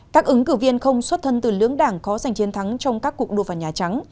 các ứng cử viên không xuất thân từ lưỡng đảng khó giành chiến thắng trong các cuộc đua vào nhà trắng